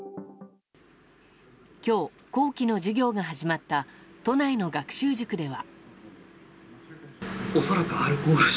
今日、後期の授業が始まった都内の学習塾では。